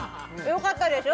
よかったでしょ？